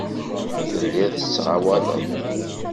Telliḍ tettɣawaleḍ.